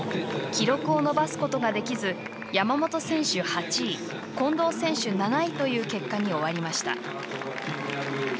記録を伸ばすことができず山本選手８位、近藤選手７位という結果に終わりました。